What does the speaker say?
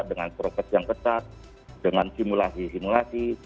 dengan prokes yang ketat dengan simulasi simulasi